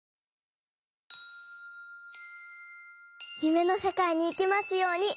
ゆめのせかいにいけますように。